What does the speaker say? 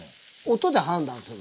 音で判断する。